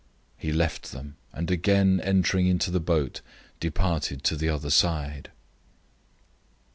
008:013 He left them, and again entering into the boat, departed to the other side.